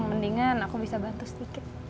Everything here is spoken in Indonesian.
mendingan aku bisa bantu sedikit